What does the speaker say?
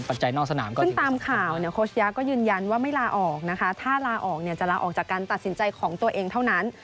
ปัจจัยนอกสนามตั้งแต่